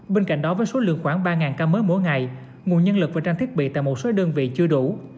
bên cạnh đó với số lượng khoảng ba ca mới mỗi ngày nguồn nhân lực và trang thiết bị tại một số đơn vị chưa đủ